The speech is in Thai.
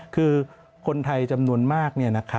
คือคนไทยจำนวนมาก